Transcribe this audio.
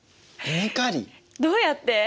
どうやって？